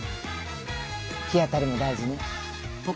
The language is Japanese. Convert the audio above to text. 日当たりも大事ね。